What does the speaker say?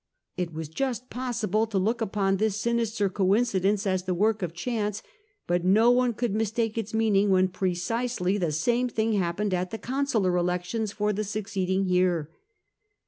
It was just possible to look upon this sinister coincidence as the work of chance; but no one could mistake its meaning when precisely the same thing happened at the consular elections for the succeeding year.